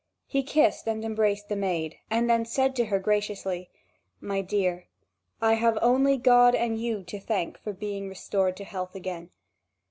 He kissed and embraced the maid, and then said to her graciously: "My dear, I have only God and you to thank for being restored to health again.